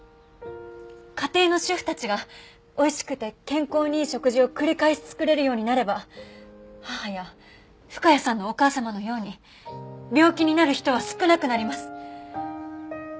家庭の主婦たちがおいしくて健康にいい食事を繰り返し作れるようになれば母や深谷さんのお母様のように病気になる人は少なくなります。